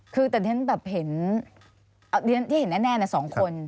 คือแต่ฉะนั้นแบบเห็นที่เห็นแน่นะสองคน